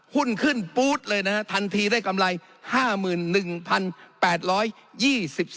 หุ้นขึ้นปู๊ดเลยนะครับทันทีได้กำไร